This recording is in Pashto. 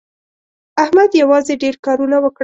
احمد یوازې ډېر کارونه وکړل.